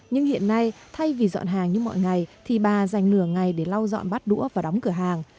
nhưng hiện nay thay vì dọn hàng như mọi ngày thì bà dành nửa ngày để lau dọn bát đũa và đóng cửa hàng